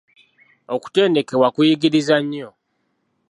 Okutendekebwa kuyigiriza nnyo.